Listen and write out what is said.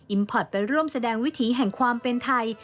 พอตไปร่วมแสดงวิถีแห่งความเป็นไทย